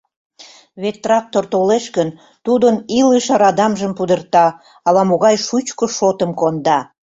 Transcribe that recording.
Вет трактор толеш гын, тудын илыш радамжым пудырта, ала-могай шучко шотым конда.